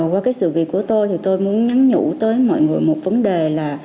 qua cái sự việc của tôi thì tôi muốn nhắn nhủ tới mọi người một vấn đề là